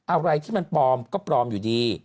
อะไรที่มันปลอมก็ปลอมอยู่ดี